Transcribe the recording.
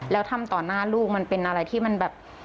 แล้วทำต่อหน้าลูกมันเป็นอะไรที่มันแบบ